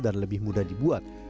dan lebih mudah dibuat